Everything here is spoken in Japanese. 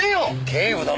警部殿！